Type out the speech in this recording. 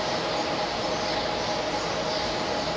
ต้องเติมเนี่ย